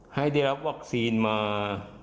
ให้ได้รับวัคซีนมา